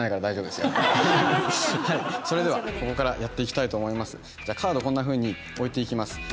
それではここからやっていきたいと思います。